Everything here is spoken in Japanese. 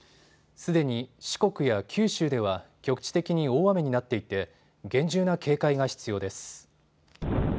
すでに四国や九州では局地的に大雨になっていて厳重な警戒が必要です。